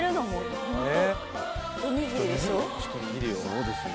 そうですよ。